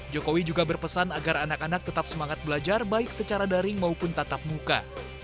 jokowi juga berpesan agar anak anak tetap semangat belajar baik secara daring maupun tatap muka